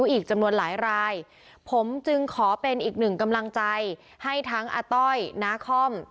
อีกจำนวนหลายรายผมจึงขอเป็นอีกหนึ่งกำลังใจให้ทั้งอาต้อยนาคอม